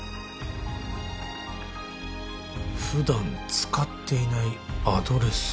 普段使っていないアドレス。